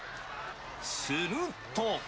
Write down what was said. すると。